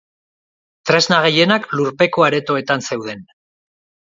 Tresna gehienak lurpeko aretoetan zeuden.